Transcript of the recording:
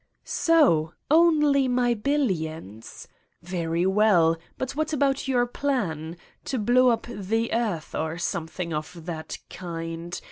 '' "So. Only my billions. Very well, but what about your plan: to blow up the earth or some thing of that kind?